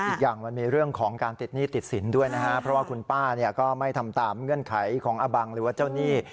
อีกอย่างมันมีเรื่องของการติดหนี้ติดสินด้วยนะฮะเพราะว่าคุณป้าเนี่ยก็ไม่ทำตามเงื่อนไขของอบังหรือว่าเจ้าหนี้